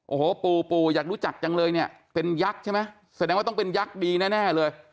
โอ้โหปู่ปู่อยากรู้จักจังเลยเนี่ยเป็นยักษ์ใช่ไหมแสดงว่าต้องเป็นยักษ์ดีแน่เลย